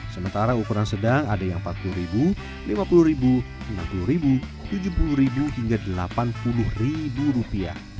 sementara ukuran sedang ada yang rp empat puluh rp lima puluh rp enam puluh rp tujuh puluh hingga rp delapan puluh